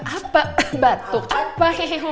apa batuk apa